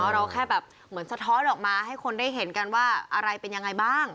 เราแค่แบบเหมือนสะท้อนออกมาให้คนได้เห็นกันว่าอะไรเป็นยังไงบ้าง